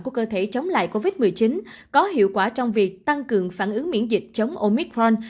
của cơ thể chống lại covid một mươi chín có hiệu quả trong việc tăng cường phản ứng miễn dịch chống omicron